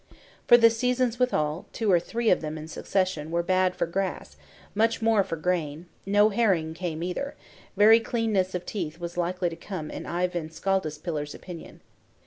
For the seasons withal, two or three of them in succession, were bad for grass, much more for grain; no herring came either; very cleanness of teeth was like to come in Eyvind Skaldaspillir's opinion.